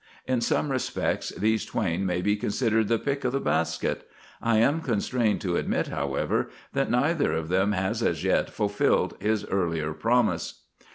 In some respects these twain may be considered the pick of the basket. I am constrained to admit, however, that neither of them has as yet fulfilled his earlier promise.